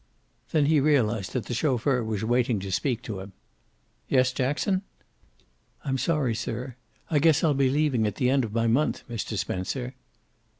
Then he realized that the chauffeur was waiting to speak to him. "Yes, Jackson?" "I'm sorry, sir. I guess I'll be leaving at the end of my month, Mr. Spencer."